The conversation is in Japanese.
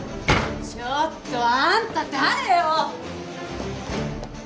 ちょっとあんた誰よ！